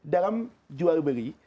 dalam jual beli